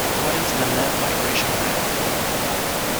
What is the net migration rate?